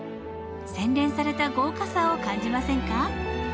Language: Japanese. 洗練された豪華さを感じませんか？